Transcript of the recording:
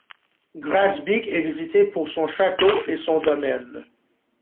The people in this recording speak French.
Gaasbeek est visitée pour son château et son domaine.